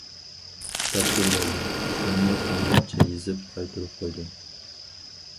‹‹ تاپشۇرۇۋالدىم›› مەنمۇ خەنزۇچە يېزىپ قايتۇرۇپ قويدۇم.